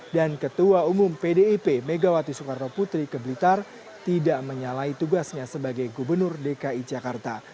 dan ketua umum pdip megawati soekarno putri ke blitar tidak menyalahi tugasnya sebagai gubernur dki jakarta